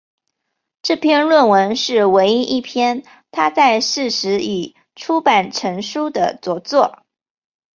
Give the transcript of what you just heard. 这篇论文是唯一一篇他在世时便已出版成书的着作。